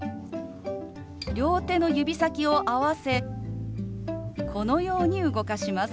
両手の指先を合わせこのように動かします。